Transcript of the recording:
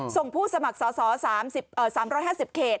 ส่งผู้สมัครสาว๓๕๐เขต